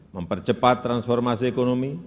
mempercepat transformasi ekonomi